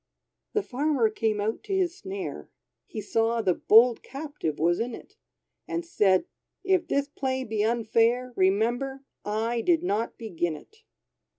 The Farmer came out to his snare, He saw the bold captive was in it; And said, "If this play be unfair, Remember, I did not begin it!"